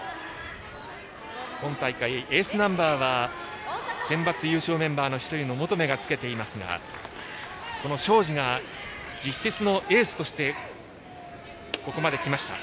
今大会、エースナンバーはセンバツ優勝メンバーの１人の求がつけていますがこの庄司が実質のエースとしてここまできました。